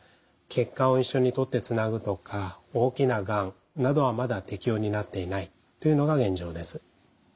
血管を一緒に取ってつなぐとか大きながんなどはまだ適応になっていないというのが現状です。